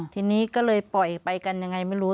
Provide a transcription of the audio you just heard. ทีนี้ก็เลยปล่อยไปกันยังไงไม่รู้